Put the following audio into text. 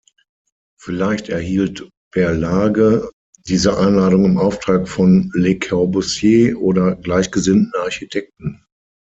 Vielleicht erhielt Berlage diese Einladung im Auftrag von Le Corbusier oder gleichgesinnten Architekten.